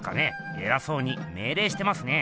えらそうにめいれいしてますね。